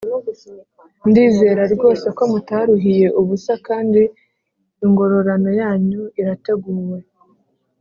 Ndizera rwose ko mutaruhiye ubusa kandi ingororano yanyu irateguwe